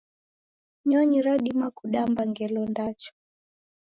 Nyonyi radima kudamba ngelo ndacha